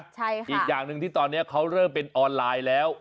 ใช่ค่ะอีกอย่างหนึ่งที่ตอนนี้เขาเริ่มเป็นออนไลน์แล้ว